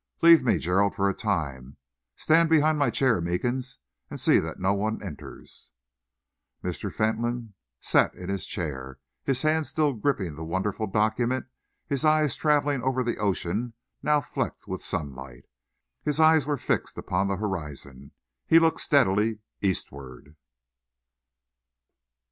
Leave me, Gerald, for a time. Stand behind my chair, Meekins, and see that no one enters." Mr. Fentolin sat in his chair, his hands still gripping the wonderful document, his eyes travelling over the ocean now flecked with sunlight. His eyes were fixed upon the horizon. He looked steadily eastward.